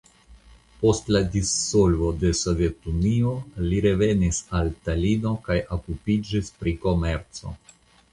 Post la dissolvo de Sovetunio li revenis al Talino kaj okupiĝis en komerco.